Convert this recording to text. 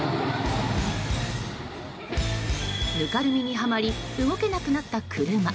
ぬかるみにはまり動けなくなった車。